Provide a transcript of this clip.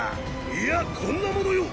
いやこんなものよ！！